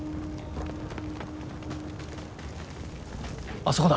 あそこだ。